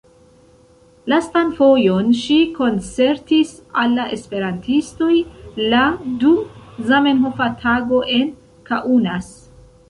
Lastan fojon ŝi koncertis al la esperantistoj la dum Zamenhofa Tago en Kaunas.